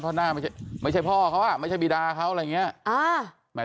เพราะหน้าไม่ใช่พ่อเขาไม่ใช่บีดาเขาอะไรอย่างนี้